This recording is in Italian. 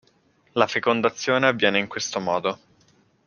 La fecondazione avviene in questo modo.